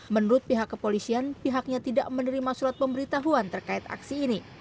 menurut pihak kepolisian pihaknya tidak menerima surat pemberitahuan terkait aksi ini